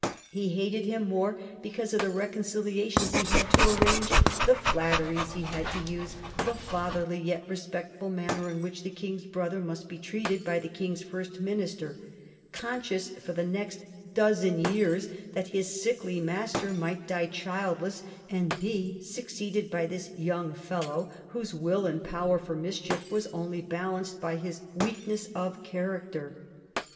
He hated him more because of the reconciliations he had to arrange, the flatteries he had to use, the fatherly yet respectful manner in which the King's brother must be treated by the King's First Minister — conscious, for the next dozen years, that his sickly master might die childless and be succeeded by this young fellow whose will and power for mischief were only balanced by his weakness of character.